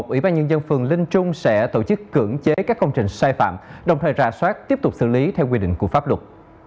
ủy ban nhân dân phường linh trung sẽ tổ chức cưỡng chế các công trình sai phạm đồng thời rà soát tiếp tục xử lý theo quy định của pháp luật